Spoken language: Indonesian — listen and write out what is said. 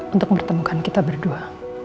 untuk menemukan kita berdua